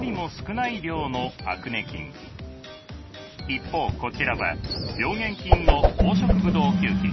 一方こちらは病原菌の黄色ブドウ球菌。